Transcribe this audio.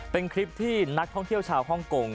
เป็นคลิปที่นักท่องเที่ยวชาวฮ่องกง